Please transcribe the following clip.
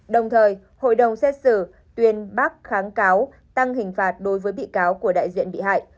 đồng thời hội đồng xét xử tuyên bác kháng cáo tăng hình phạt đối với bị cáo của đại diện bị hại